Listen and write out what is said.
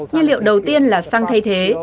nhiên liệu đầu tiên là xăng thay thế